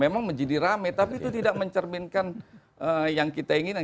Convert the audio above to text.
memang menjadi rame tapi itu tidak mencerminkan yang kita inginkan